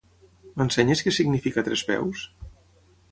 M'ensenyes què significa trespeus?